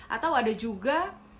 atau ada juga